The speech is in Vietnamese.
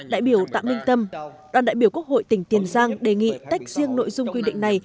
đại biểu tạm minh tâm đoàn đại biểu quốc hội tỉnh tiền giang đề nghị tách riêng nội dung quy định này